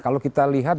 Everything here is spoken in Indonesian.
kalau kita lihat